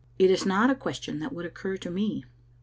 It is not a question that would occur to me.